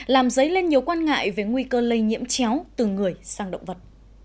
làm dấy lên nhiều quan ngại về nguy cơ lây nhiễm chéo từ người sang động vật